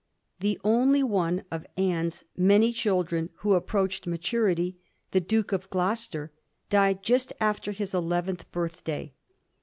The only one of Anne's many children who approached maturity, the Duke of Gloucester, died just after his eleventh birthday.